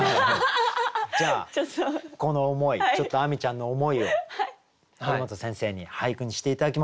じゃあこの思いちょっと亜美ちゃんの思いを堀本先生に俳句にして頂きましょう。